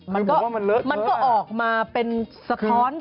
มันก็ออกมาเป็นสะท้อน